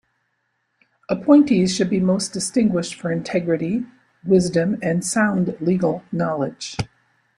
Appointees should be most distinguished for integrity, wisdom and sound legal knowledge.